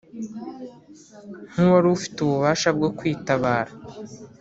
nk’uwari ufite ububasha bwo kwitabara